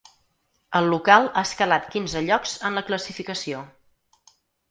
El local ha escalat quinze llocs en la classificació.